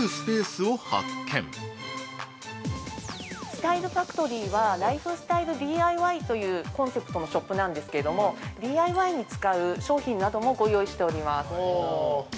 ◆スタイルファクトリーは、ライフスタイルＤＩＹというコンセプトのショップなんですけれども、ＤＩＹに使う商品などもご用意しております。